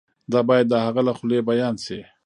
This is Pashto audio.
دا باید د هغه له خولې بیان شي.